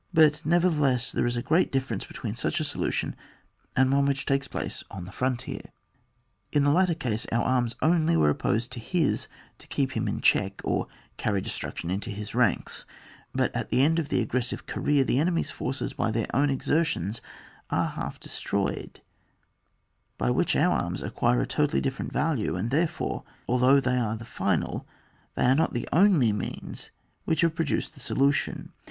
But nevertheless, there is a great dif ference between such a solution and one which takes place on the frontier. In the latter case our arms only were opposed to his to kdep him in check, or carry destruction into his ranks; but at the end of the aggressive career the enemy's forces, by their own exertions, are half destroyed, by which our arms acquire a totally different value, and therefore, although they are the final they are not the only means which have produced the solution.